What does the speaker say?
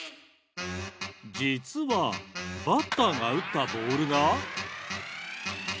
実はバッターが打ったボールが。